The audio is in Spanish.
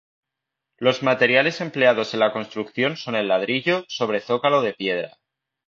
Los materiales empleados en la construcción son el ladrillo sobre zócalo de piedra.